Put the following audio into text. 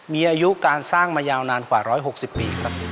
มีอายุการสร้างมายาวนานกว่าร้อยหกสิบปีครับ